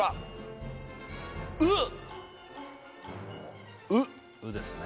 「う」ですね